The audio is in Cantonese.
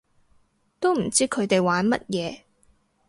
都唔知佢哋玩乜嘢